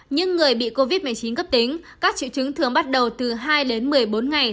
những người bị covid một mươi chín cấp tính các triệu chứng thường bắt đầu từ hai đến một mươi bốn ngày